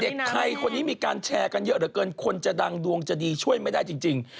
เด็กไทยคนนี้มีการแชร์กันเยอะเหลือเกินคนจะดังดวงจะดีช่วยไม่ได้จริง